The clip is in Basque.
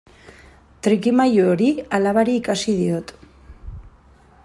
Trikimailu hori alabari ikasi diot.